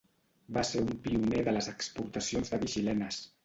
Va ser un pioner de les exportacions de vi xilenes.